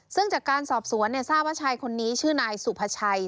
ซึ่งจากการสอบสวนทราบว่าชายคนนี้ชื่อนายสุภาชัย